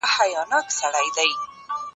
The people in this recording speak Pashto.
هغه غواړي چې یو ښه مسواک پېدا کړي.